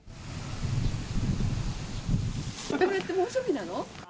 これって猛暑日なの？